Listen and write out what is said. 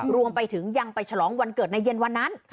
รวมไปถึงยังไปฉลองวันเกิดในเย็นวันนั้น